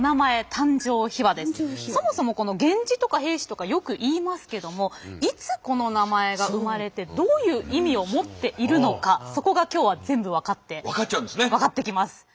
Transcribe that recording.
そもそも源氏とか平氏とかよく言いますけどもいつこの名前が生まれてどういう意味を持っているのかそこが今日は全部分かってきます。